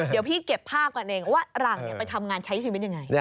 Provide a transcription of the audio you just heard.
เดี๋ยวพี่เก็บภาพกันเองว่าหลังไปทำงานใช้ชีวิตยังไง